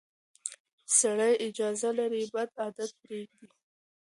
سړی اجازه لري بد عادت پرېږدي.